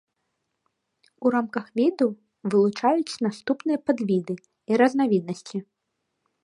У рамках віду вылучаюць наступныя падвіды і разнавіднасці.